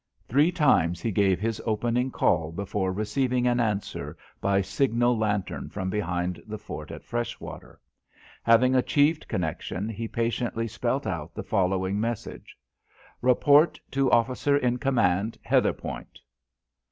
Three times he gave his opening call before receiving an answer by signal lantern from behind the fort at Freshwater. Having achieved connection he patiently spelt out the following message: "Report to officer in command Heatherpoint."